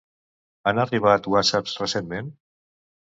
Han arribat whatsapps recentment?